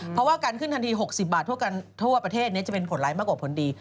เพราะว่าการขึ้นทันที๖๐บาททั่วประเทศนี้จะเป็นผลร้ายมากกว่าผลดี